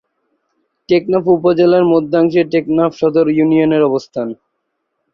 টেকনাফ উপজেলার মধ্যাংশে টেকনাফ সদর ইউনিয়নের অবস্থান।